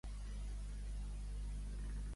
Què li va autoritzar el mateix Jesucrist?